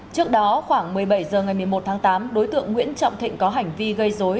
trước đó khoảng một mươi bảy h ngày một mươi một tháng tám đối tượng nguyễn trọng thịnh có hành vi gây dối